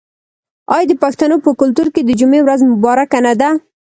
آیا د پښتنو په کلتور کې د جمعې ورځ مبارکه نه ده؟